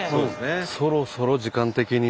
そろそろ時間的にも。